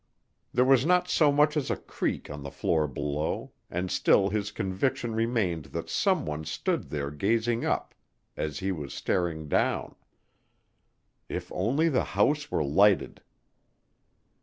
There was not so much as a creak on the floor below, and still his conviction remained that someone stood there gazing up as he was staring down. If only the house were lighted!